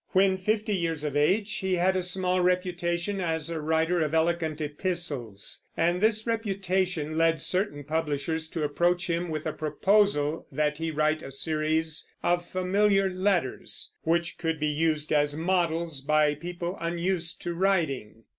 When fifty years of age he had a small reputation as a writer of elegant epistles, and this reputation led certain publishers to approach him with a proposal that he write a series of Familiar Letters, which could be used as models by people unused to writing.